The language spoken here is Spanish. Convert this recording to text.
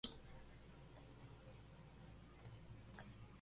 La partitura alcanza finales de gran poder dramático con una gran economía de medios.